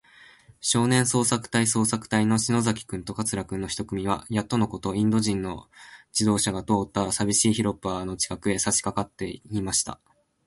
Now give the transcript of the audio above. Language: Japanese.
少年捜索隊そうさくたいの篠崎君と桂君の一組は、やっとのこと、インド人の自動車が通ったさびしい広っぱの近くへ、さしかかっていました。